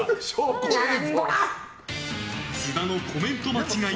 津田のコメント間違い